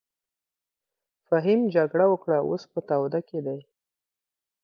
فهيم جګړه وکړه اوس په تاوده کښی دې.